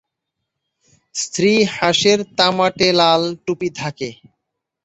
স্ত্রী হাঁসের তামাটে-লাল টুপি থাকে।